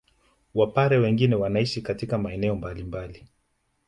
Wapare wengine wanaishi katika maeneo mbalimbali